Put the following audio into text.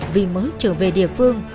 vì mới trở về địa phương